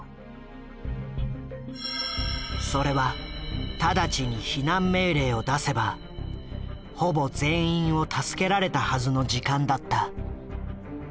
それは直ちに避難命令を出せばほぼ全員を助けられたはずの時間だった。